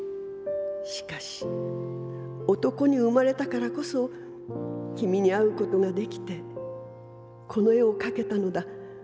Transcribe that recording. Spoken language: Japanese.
しかし男に生まれたからこそキミに会うことが出来てこの絵を描けたのだ。